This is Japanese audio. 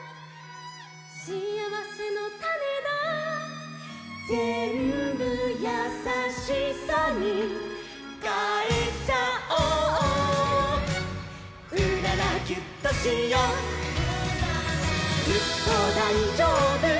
「しあわせのたねだ」「ぜんぶやさしさにかえちゃおう」「うららギュッとしよう」「ずっとだいじょうぶ」